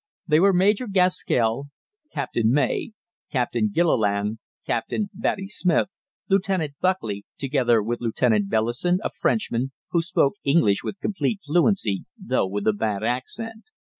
They were Major Gaskell, Captain May, Captain Gilliland, Captain Batty Smith, Lieutenant Buckley, together with Lieutenant Bellison, a Frenchman, who spoke English with complete fluency, though with a bad accent.